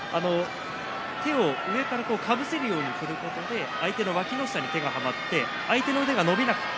手を上から、かぶせるようにすることで、相手のわきの下に手がはまって相手の手は伸びなかった。